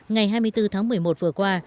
ngày hai mươi bốn tháng một mươi một vừa qua